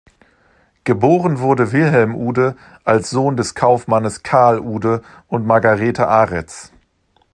Geboren wurde Wilhelm Uhde als Sohn des Kaufmannes Carl Uhde und Margarethe Aretz.